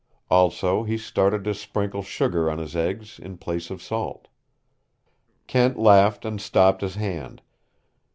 Also he started to sprinkle sugar on his eggs in place of salt. Kent laughed and stopped his hand.